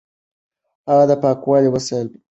هغه د پاکوالي وسایل په سمه توګه کاروي.